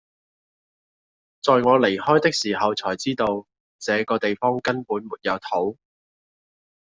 在我離開的時候才知道，這個地方根本沒有桃